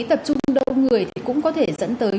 tập trung đông người thì cũng có thể dẫn tới